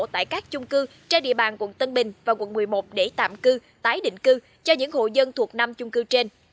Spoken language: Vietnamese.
tại các chung cư trên địa bàn quận tân bình và quận một mươi một để tạm cư tái định cư cho những hộ dân thuộc năm chung cư trên